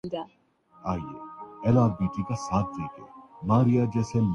La Liga league Real Betis نے Girona کو شکست دیدی